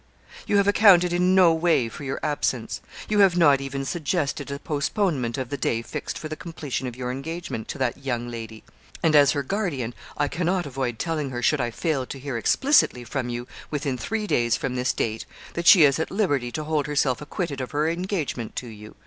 You have accounted in no way for your absence. You have not even suggested a postponement of the day fixed for the completion of your engagement to that young lady; and, as her guardian, I cannot avoid telling her, should I fail to hear explicitly from you within three days from this date, that she is at liberty to hold herself acquitted of her engagement to you.